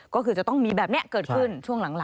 ก็คือจะต้องมีแบบนี้เกิดขึ้นช่วงหลัง